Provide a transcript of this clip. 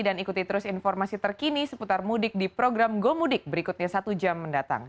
dan ikuti terus informasi terkini seputar mudik di program gomudik berikutnya satu jam mendatang